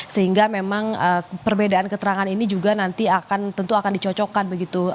sehingga memang perbedaan keterangan ini juga nanti akan tentu akan dicocokkan begitu